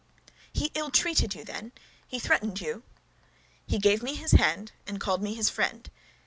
"He ill treated you, then; he threatened you?" "He gave me his hand, and called me his friend.